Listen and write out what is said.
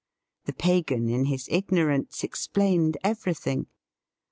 The pagan in his ignor ance explained everything.